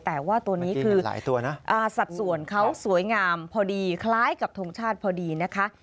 แต่ว่าตัวนี้คือหลายตัวนะสัดส่วนเขาสวยงามพอดีคล้ายกับทงชาติพอดีนะคะ